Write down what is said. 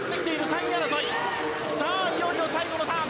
いよいよ最後のターン！